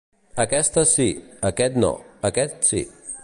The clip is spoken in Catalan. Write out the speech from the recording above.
Aquesta sí, aquest no, aquest sí.